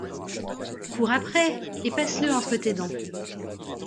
Cours après ! et passe-le entre tes dents